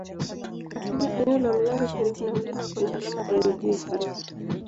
Katika eneo la Mlanga karibu na mlima kuna alama za miguu ya Farasi